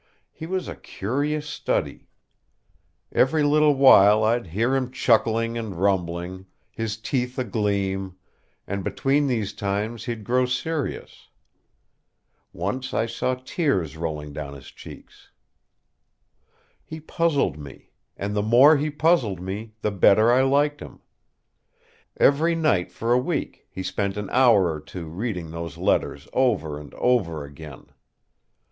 He was a curious study. Every little while I'd hear him chuckling and rumbling, his teeth agleam, and between these times he'd grow serious. Once I saw tears rolling down his cheeks. He puzzled me; and the more he puzzled me, the better I liked him. Every night for a week he spent an hour or two reading those letters over and over again.